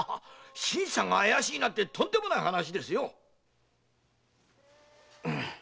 新さんが怪しいなんてとんでもない話ですよ！